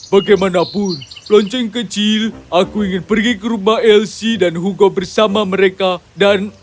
bagaimanapun lonceng kecil aku ingin pergi ke rumah elsie dan hugo bersama mereka dan